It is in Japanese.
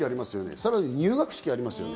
さらに入学式がありますね。